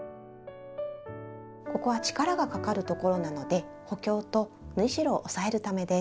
ここは力がかかるところなので補強と縫い代を押さえるためです。